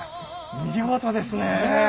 見事ですねえ。